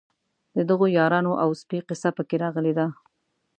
د دغو یارانو او سپي قصه په کې راغلې ده.